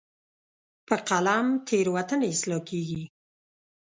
په قلم تیروتنې اصلاح کېږي.